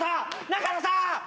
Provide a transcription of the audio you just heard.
永野さん！